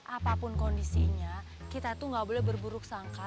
apapun kondisinya kita tuh gak boleh berburuk sangka